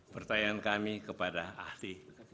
pertanyaan kami kepada ahli